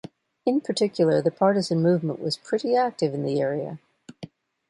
In particular, the partisan movement was pretty active in the area.